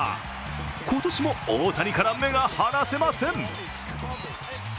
今年も大谷から目が離せません。